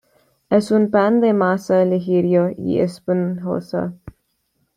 Es un pan de masa ligera y esponjosa.